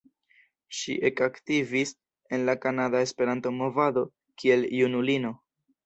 Ŝi ekaktivis en la kanada Esperanto-movado kiel junulino.